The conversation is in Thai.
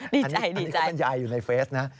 ดีใจอันนี้ก็เป็นยายอยู่ในเฟสนะ